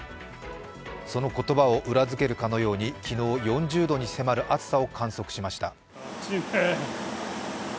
その言葉を裏付けるかのように昨日、４０度に迫る暑さを観測しました。